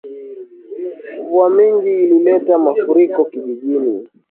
Mvua mingi ilileta mafuriko kijijini